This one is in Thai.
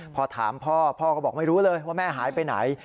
พอถามพ่อพ่อก็บอกไม่รู้เลยว่าแม่หายไปไหน